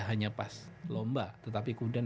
hanya pas lomba tetapi kemudian